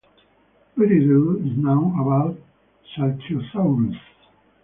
Very little is known about "Saltriosaurus".